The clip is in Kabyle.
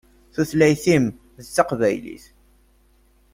Tutlayt-im d taqbaylit.